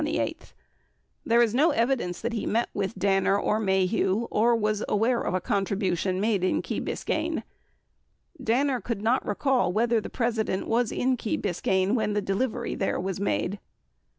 There is no evidence that he met with Danner or Maheu or was aware of a contribution made in Key Biscayne. Danner could not recall whether the President was in Key Biscayne when the delivery there was made.